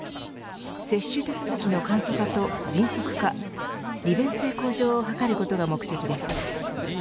接種手続きの簡素化と迅速化利便性向上を図ることが目的です。